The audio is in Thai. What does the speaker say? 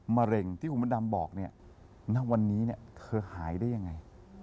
มาร่งที่ผมประดำบอกว่าณวันนี้เธอหายได้ยังไง